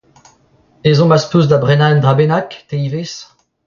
Ezhomm az peus da brenañ un dra bennak, te ivez ?